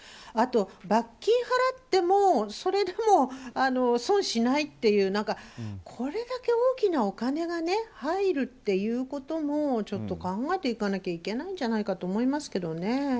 あと、罰金を払ってもそれでも損しないっていうこれだけ大きなお金が入るということも考えていかなきゃいけないんじゃないかと思いますけどね。